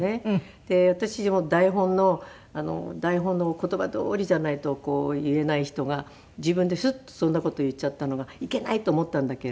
で私も台本の台本の言葉どおりじゃないと言えない人が自分でスッとそんな事言っちゃったのがいけないと思ったんだけれども。